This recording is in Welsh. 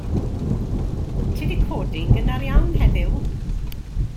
Ti 'di codi'n gynnar iawn heddiw.